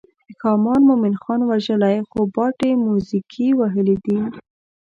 ښامار مومن خان وژلی خو باټې موزیګي وهلي دي.